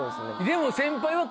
でも。